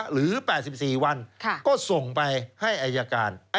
หรือ๘๔วันก็ส่งไปให้อายการ